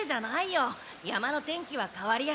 山の天気はかわりやすいから。